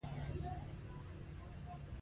دا په پراخه پیمانه استعمالیږي.